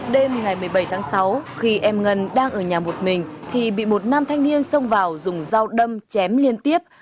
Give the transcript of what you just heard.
đêm ngày một mươi bảy tháng sáu khi em ngân đang ở nhà một mình thì bị một nam thanh niên xông vào dùng dao đâm chém liên tiếp